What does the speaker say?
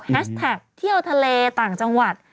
แท็กเที่ยวทะเลต่างจังหวัด